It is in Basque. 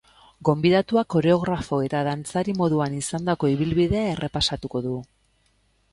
Gonbidatuak koreografo eta dantzari moduan izandako ibilbidea errepasatuko du.